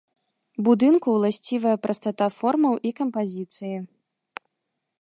Будынку ўласцівая прастата формаў і кампазіцыі.